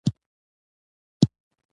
د کابل ختیځ ته لغمان ولایت موقعیت لري